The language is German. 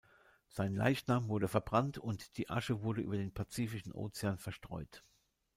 Sein Leichnam wurde verbrannt und die Asche wurde über dem Pazifischen Ozean verstreut.